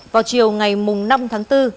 vào chiều ngày năm tháng bốn